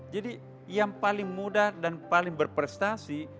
jadi yang paling muda dan paling berprestasi